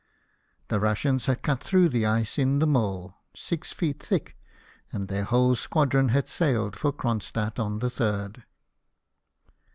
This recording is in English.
The Russians had cut through the ice in the mole, six feet thick, and their whole squadron had sailed for Cronstadt on the 3rd.